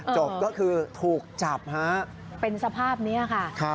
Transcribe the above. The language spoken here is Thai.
จบก็คือถูกจับฮะเป็นสภาพนี้ค่ะ